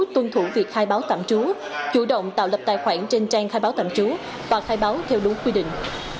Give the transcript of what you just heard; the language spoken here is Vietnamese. tuân thủ việc khai báo tạm trú chủ động tạo lập tài khoản trên trang khai báo tạm trú và khai báo theo đúng quy định